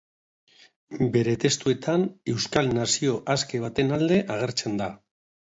Bere testuetan euskal nazio aske baten alde agertzen da.